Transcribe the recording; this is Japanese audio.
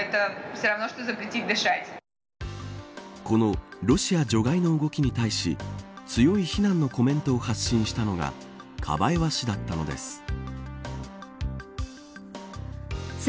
このロシア除外の動きに対し強い非難のコメントを発信したのがカバエワ氏だったのです。